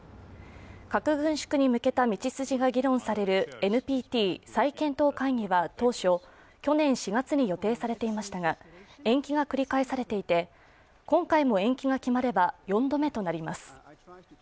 核軍縮に向けた道筋が議論されるＮＰＴ再検討会議は当初、去年４月に予定されていましたが、延期が繰り返されていて、今回も延期が決まれば４度目となります。